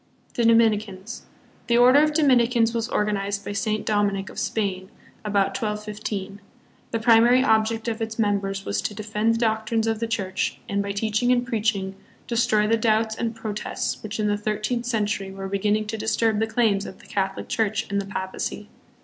The Dominicans. The Order of Dominicans was or ganized by Saint Dominic, of Spain, about 1215. The primary object of its members was to defend the doc trines of the Church and, by teaching and preaching, destroy the doubts and protests which in the thirteenth century were beginning to disturb the claims of the Cath olic Church and the Papacy.